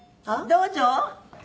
どうぞ。